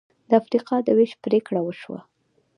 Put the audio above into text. د افریقا د وېش پرېکړه وشوه.